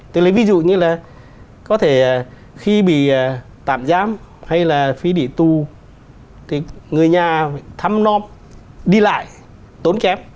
tức là ví dụ như là có thể khi bị tạm giám hay là phí địa tu thì người nhà thăm nôm đi lại tốn kém